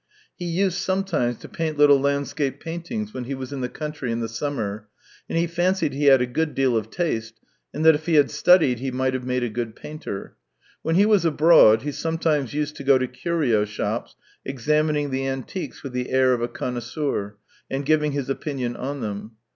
He used sometimes to paint little landscape paintings when he was _ in the country in the summer, and he fancied he had a good deal of taste, and that if he had studied he might have made a good painter. When he was abroad he sometimes used to go to curio shops, examining the antiques with the air of a connoisseur and giving his opinion on them.